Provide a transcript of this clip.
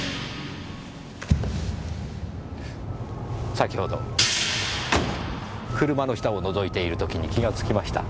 先ほど車の下を覗いている時に気が付きました。